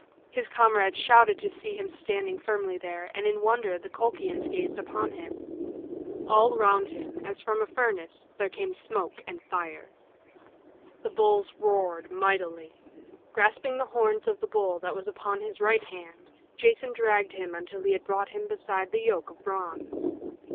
His comrades shouted to see him standing firmly there, and in wonder the Colchians gazed upon him. All round him, as from a furnace, there came smoke and fire. The bulls roared mightily. Grasping the horns of the bull that was upon his right hand, Jason dragged him until he had brought him beside the yoke of bronze.